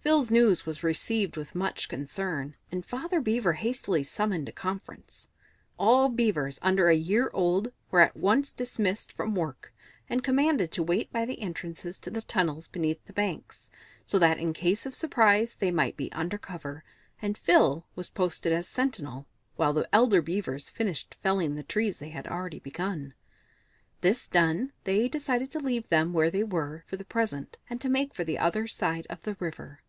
Phil's news was received with much concern, and Father Beaver hastily summoned a conference. All Beavers under a year old were at once dismissed from work, and commanded to wait by the entrances to the tunnels beneath the banks, so that in case of surprise they might be under cover, and Phil was posted as sentinel while the elder Beavers finished felling the trees they had already begun. This done, they decided to leave them where they were for the present, and to make for the other side of the river.